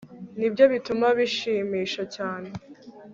nibyo bituma bishimisha cyane